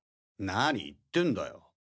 何言ってんだよ。